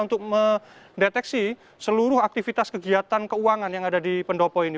untuk mendeteksi seluruh aktivitas kegiatan keuangan yang ada di pendopo ini